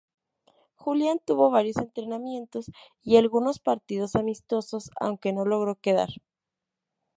Julián tuvo varios entrenamientos y algunos partidos amistosos, aunque, no logró quedar.